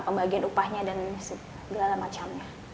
pembagian upahnya dan segala macamnya